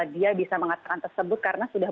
dia bisa mengatakan tersebut karena sudah